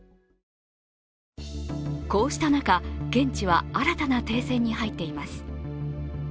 こうした中、現地は新たな停戦に入っています。